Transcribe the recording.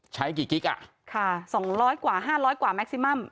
ใช้กี่กิ๊กอ่ะค่ะ๒๐๐กว่า๕๐๐กว่าแม็กซิมัม